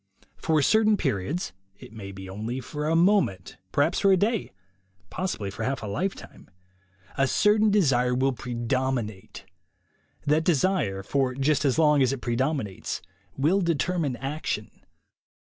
For certain periods — it may be only for a moment, perhaps for a day, possibly for half a lifetime — a certain desire will predominate. That desire, for just as long as it predominates, will determine action.